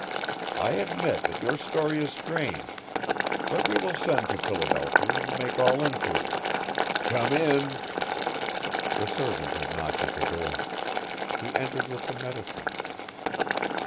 I admit that your story is strange, but we will send to Philadelphia and make all enquiries come in." The servant had knocked at the door. He entered with the medicine.